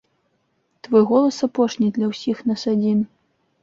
Твой голас апошні для ўсіх нас адзін.